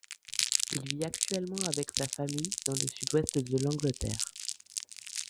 Il vit actuellement avec sa famille, dans le sud-ouest de l’Angleterre.